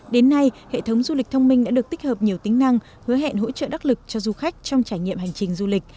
đến nay hệ thống du lịch thông minh đã được tích hợp nhiều tính năng hứa hẹn hỗ trợ đắc lực cho du khách trong trải nghiệm hành trình du lịch